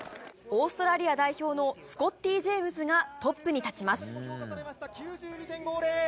オーストラリア代表のスコッティ・ジェームズがトップに立ちます。